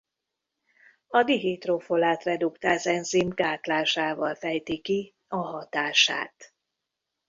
A dihidrofolát-reduktáz enzim gátlásával fejti ki a hatását.